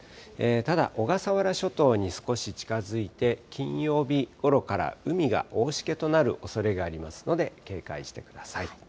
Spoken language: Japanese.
ただ、小笠原諸島に少し近づいて、金曜日ごろから海が大しけとなるおそれがありますので、警戒してください。